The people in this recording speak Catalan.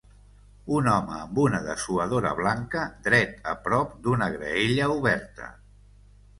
Un home amb una dessuadora blanca dret a prop d'una graella oberta.